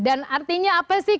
dan artinya apa sih